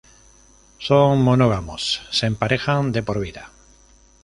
Son monógamos, se emparejan de por vida.